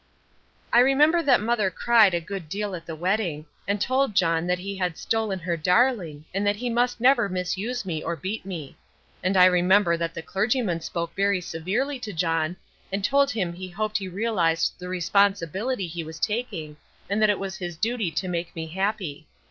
I remember that Mother cried a good deal at the wedding, and told John that he had stolen her darling and that he must never misuse me or beat me. And I remember that the clergyman spoke very severely to John, and told him he hoped he realized the responsibility he was taking and that it was his duty to make me happy.